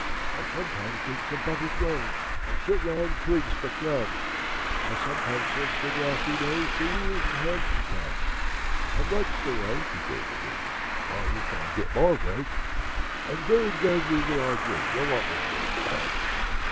'I sometimes dig for buttered rolls, Or set limed twigs for crabs: I sometimes search the grassy knolls For wheels of Hansom cabs. And that's the way' (he gave a wink) 'By which I get my wealth And very gladly will I drink Your Honour's noble health.'